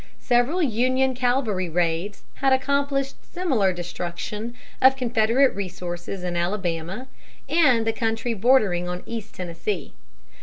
Several Union cavalry raids had accomplished similar destruction of Confederate resources in Alabama and the country bordering on East Tennessee.